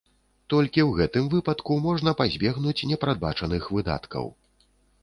Толькі ў гэтым выпадку можна пазбегнуць непрадбачаных выдаткаў.